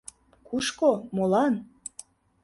— Кушко, молан?